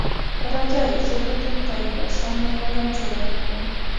راځئ، زه به دې ته یوه سمه لاره جوړه کړم.